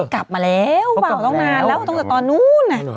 กลับมาแล้วตั้งแต่ตอนนู้น